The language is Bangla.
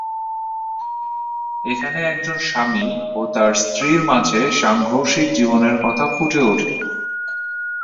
এখানে একজন স্বামী ও তার স্ত্রীর মাঝে সাংঘর্ষিক জীবনের কথা ফুটে উঠে।